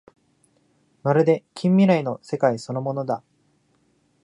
まるで近未来の世界そのものだ